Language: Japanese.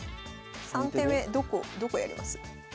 ３手目どこどこやります？